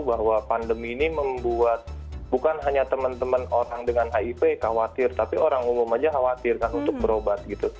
bahwa pandemi ini membuat bukan hanya teman teman orang dengan hiv khawatir tapi orang umum aja khawatir kan untuk berobat gitu